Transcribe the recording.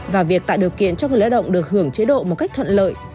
và việc tạo điều kiện cho người lao động được hưởng chế độ một cách thuận lợi